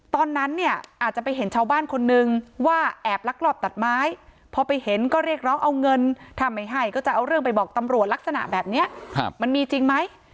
ตอนนั้นเนี่ยอาจจะไปเห็นชาวบ้านคนนึงว่าแอบลักลอบตัดไม้พอไปเห็นก็เรียกร้องเอาเงินถ้าไม่ให้ก็จะเอาเรื่องไปบอกตำรวจลักษณะแบบนี้มันมีจริงไหม